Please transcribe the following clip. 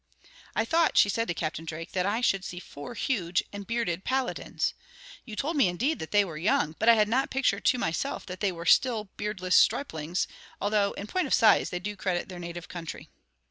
"I thought," she said to Captain Drake, "that I should see four huge and bearded paladins. You told me indeed that they were young, but I had not pictured to myself that they were still beardless striplings, although in point of size they do credit to their native country.